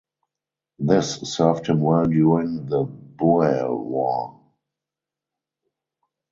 This served him well during the Boer War.